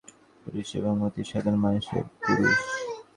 তাঁর চারটি গল্পের কেন্দ্রীয় চরিত্র পুরুষ এবং অতি সাধারণ মানের পুরুষ।